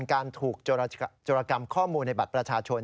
การถูกโจรกรรมข้อมูลในบัตรประชาชน